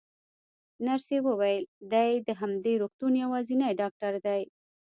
نرسې وویل: دی د همدې روغتون یوازینی ډاکټر دی.